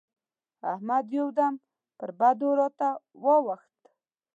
احمد يو دم پر بدو راته واووښت.